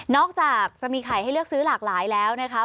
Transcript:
จากจะมีไข่ให้เลือกซื้อหลากหลายแล้วนะคะ